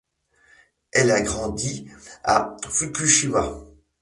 Elle a grandi à Fukushima.